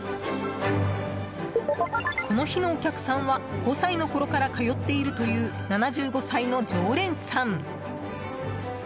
この日のお客さんは５歳のころから通っているという７５歳の常連さん。